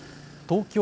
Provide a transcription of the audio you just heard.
東京